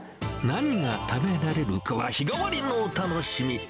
何が食べられるかは日替わりのお楽しみ。